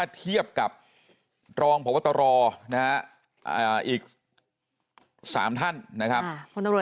อันนี้มุมของลองแจ้มค่ะงานด์